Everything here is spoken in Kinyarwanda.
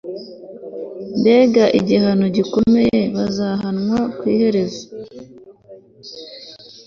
Mbega igihano gikomeye bazahanwa ku iherezo